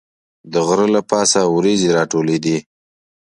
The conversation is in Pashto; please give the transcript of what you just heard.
د غره له پاسه وریځې راټولېدې.